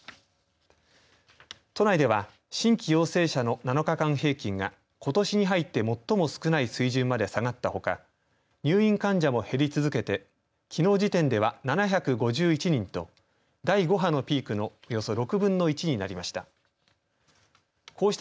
都内では新規陽性者の７日間平均がことしに入って最も少ない水準まで下がったほか入院患者も減り続けてきのう時点では７５１人と第５波のピークのおよそ６分の１になりました。